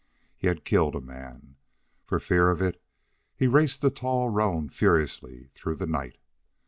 He had killed a man. For fear of it he raced the tall roan furiously through the night.